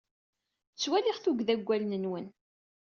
Ttwaliɣ tuggda deg wallen nwen.